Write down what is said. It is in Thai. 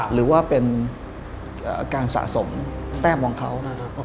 หรือว่าเป็นการสะสมแต้กว้างเขา